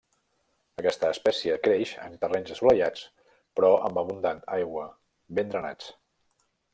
Aquesta espècie creix en terrenys assolellats però amb abundant aigua, ben drenats.